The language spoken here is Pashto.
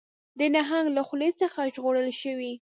د نهنګ له خولې څخه ژغورل شوي